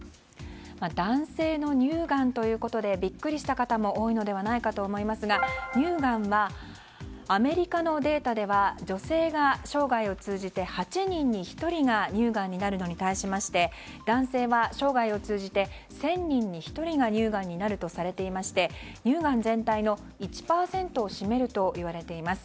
男性の乳がんということでビックリした方も多いのではないかと思いますが乳がんはアメリカのデータでは女性が生涯を通じて８人に１人が乳がんになるのに対しまして男性は生涯を通じて１０００人に１人が乳がんになるとされていまして乳がん全体の１％を占めるといわれています。